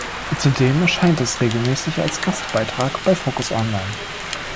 Zudem erscheint es regelmäßig als Gastbeitrag bei Focus Online.